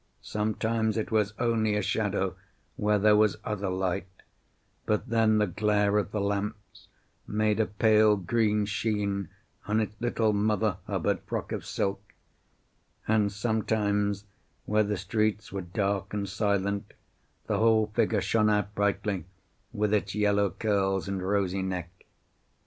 Sometimes it was only a shadow, where there was other light, but then the glare of the lamps made a pale green sheen on its little Mother Hubbard frock of silk; and sometimes, where the streets were dark and silent, the whole figure shone out brightly, with its yellow curls and rosy neck.